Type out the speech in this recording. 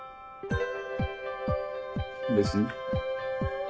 別に。